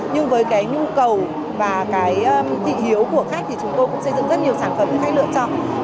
nhưng với cái nhu cầu và cái thị hiếu của khách thì chúng tôi cũng xây dựng rất nhiều sản phẩm khách lựa chọn